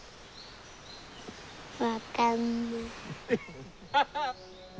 分かんない。